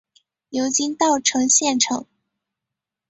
流经稻城县城。